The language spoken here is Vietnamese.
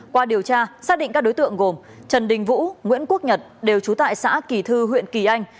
qua điều tra xác định các đối tượng gồm trần đình vũ nguyễn quốc nhật đều trú tại xã kỳ thư huyện kỳ anh